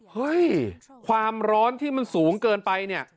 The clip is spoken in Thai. เฮ้ยความร้อนที่มันสูงเกินไปเนี่ย